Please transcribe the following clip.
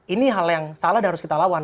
ini hal yang salah dan harus kita lawan